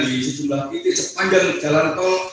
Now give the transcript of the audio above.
di sejumlah titik sepanjang jalan tol